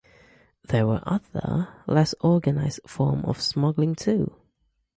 There were other, less organized, forms of smuggling too.